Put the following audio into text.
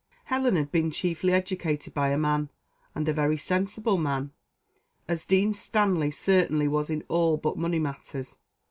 Helen had been chiefly educated by a man, and a very sensible man, as Dean Stanley certainly was in all but money matters.